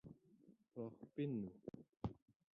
hor pennoù.